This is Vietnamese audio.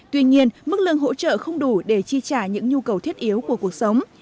tuy nhiên mức lương hỗ trợ không đủ để chi trả những nhu cầu thiết yếu của cuộc sống